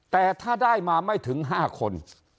แต่ถ้าได้มาไม่ถึง๕คน